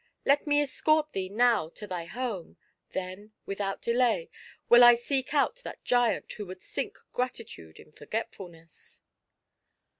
Let me escort thee now to thy home ; then, without delay, will I seek out that giant who would sink Gratitude in Forgetfiilness."